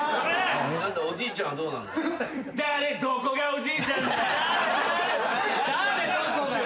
・「誰どこが」どこがおじいちゃんだよ。